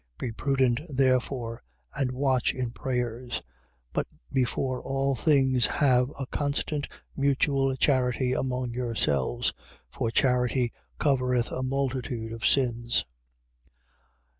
Be prudent therefore and watch in prayers. 4:8. But before all things have a constant mutual charity among yourselves: for charity covereth a multitude of sins.